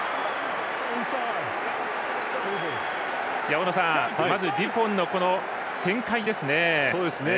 大野さん、まずはデュポンの展開ですね。